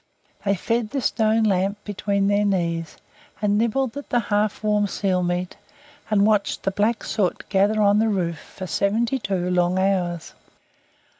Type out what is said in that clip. They fed the stone lamp between their knees, and nibbled at the half warm seal meat, and watched the black soot gather on the roof for seventy two long hours.